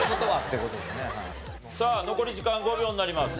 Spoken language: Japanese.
さあ残り時間５秒になります。